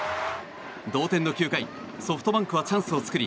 同点の９回ソフトバンクはチャンスを作り